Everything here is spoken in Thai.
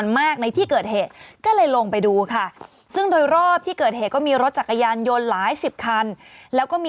แต่ก็ต้องรอรอให้การกันใช่ไหม